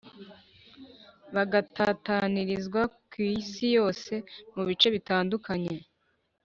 bagatatanirizwa ku isi yose mubice bitandukanye